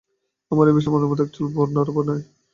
আমার এ বিষয়ে মতামত একচুল নড়বার নয়।